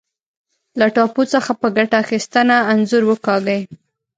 له ټاپو څخه په ګټه اخیستنه انځور وکاږئ.